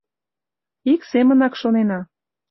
Ик семынак шонена.